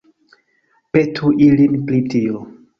Petu ilin pri tio.